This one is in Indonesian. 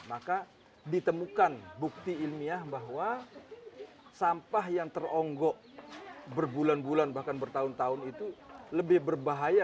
maka ditemukan bukti ilmiah bahwa sampah yang teronggok berbulan bulan bahkan bertahun tahun itu lebih berbahaya